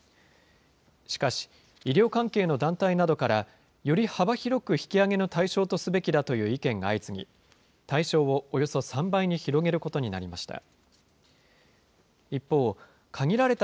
しかし、医療関係の団体などから、より幅広く引き上げの対象とすべきだという意見が相次ぎ、対象をおよそ３倍に広げることになりました。